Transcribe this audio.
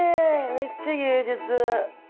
めっちゃ芸術。